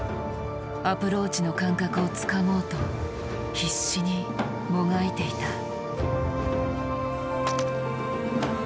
アプローチの感覚をつかもうと必死にもがいていた。